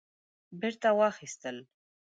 بیرته واخیستل